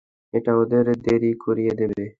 এটা ওদের দেরী করিয়ে দেবে।